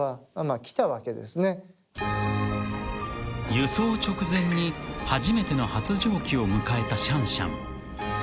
［輸送直前に初めての発情期を迎えたシャンシャン］